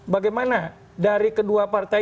bagaimana dari kedua partai